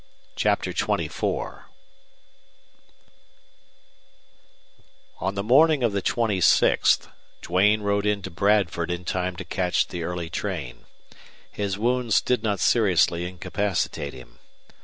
CHAPTER XXIV On the morning of the twenty sixth Duane rode into Bradford in time to catch the early train. His wounds did not seriously incapacitate him.